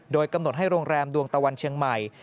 โดยกำหนดให้โรงแรมดวงตะวันเชียงใหม่